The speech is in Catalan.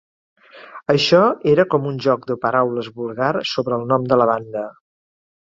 Això era com un joc de paraules vulgar sobre el nom de la banda.